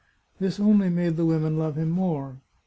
This only made the women love him more.